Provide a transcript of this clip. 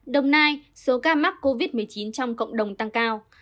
đồng nai số ca mắc covid một mươi chín trong cộng đồng tăng cao